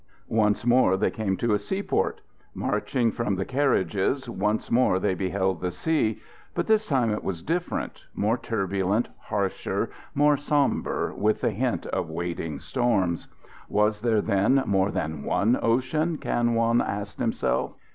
Once more they came to a seaport. Marching from the carriages, once more they beheld the sea. But this time it was different more turbulent, harsher, more sombre with the hint of waiting storms. Was there, then, more than one ocean, Kan Wong asked himself?